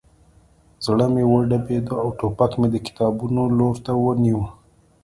زړه مې وډبېده او ټوپک مې د کتابونو لور ته ونیو